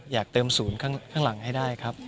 อยากเติมศูนย์ข้างหลังให้ได้ครับ